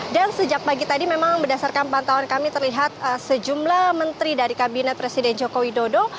sejak pagi tadi memang berdasarkan pantauan kami terlihat sejumlah menteri dari kabinet presiden joko widodo